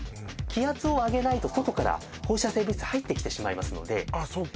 気圧を上げないと外から放射性物質入ってきてしまうのであっそっ